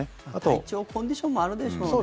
体調、コンディションもあるでしょうね。